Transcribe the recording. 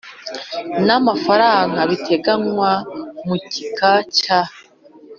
n amafaranga biteganywa mu gika cya